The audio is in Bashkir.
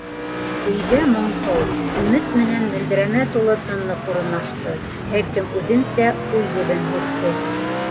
Өйҙә моңһоу, өмөт менән мөлдөрәмә тулы тынлыҡ урынлашты, һәр кем үҙенсә уй ебен һүтте.